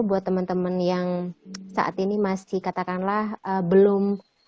buat temen temen yang saat ini masih katakanlah belum